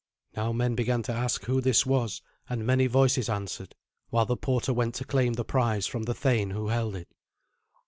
Now men began to ask who this was, and many voices answered, while the porter went to claim the prize from the thane who held it.